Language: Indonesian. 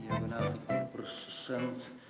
ya kenapa itu bersen